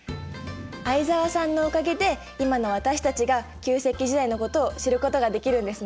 相沢さんのおかげで今の私たちが旧石器時代のことを知ることができるんですね。